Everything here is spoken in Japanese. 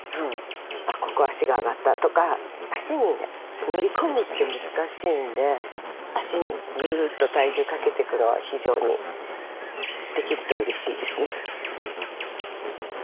あここ足が上がったとか足に乗り込むって難しいんで足にぐっと体重かけてくのは非常にできるとうれしいですね。